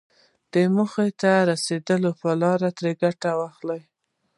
موخې ته د رسېدو په لاره کې ترې ګټه واخلم.